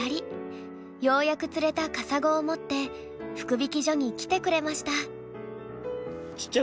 ようやく釣れたカサゴを持って福引き所に来てくれました。